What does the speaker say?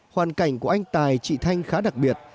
hoàn cảnh của anh tài chị thanh khá đặc biệt